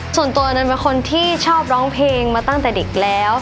ส่วนตัวอันนั้นเป็นคนที่ชอบร้องเพลงมาตั้งแต่เด็กแล้ว